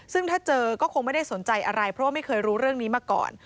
ซึ่งถ้าเจอก็คงไม่ได้สนใจอะไรเพราะว่าไม่เคยรู้เรื่องนี้มาก่อน